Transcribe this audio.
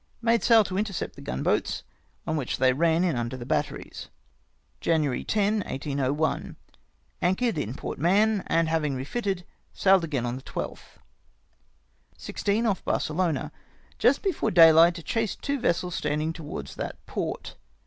Made sail to intercept the gun boats, on which they ran in under the batteries. " Jaymary 10, 1801. — Anchored in Port Mahon, and having refitted, sailed again on the 12th. "16. — Off Barcelona. Just before daylight chased two vessels standing towards that port.